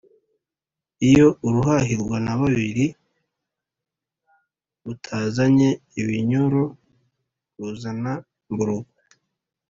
Iyo uruhahirwa na babiri rutazanye ibinyoro ruzana mburugu.